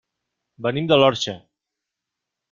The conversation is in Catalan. Venim de l'Orxa.